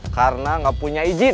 karena gak punya izin